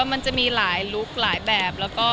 มันจะมีหลายลุคหลายแบบ